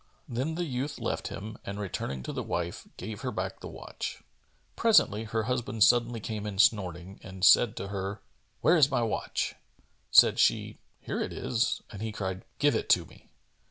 Then the youth left him and returning to the wife, gave her back the watch. Presently, her husband suddenly came in snorting, and said to her, "Where is my watch?" Said she, "Here it is;" and he cried, "Give it to me."